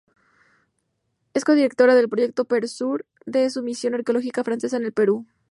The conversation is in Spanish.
Es codirectora del Proyecto Perú-Sur, de la Misión Arqueológica Francesa en el Perú.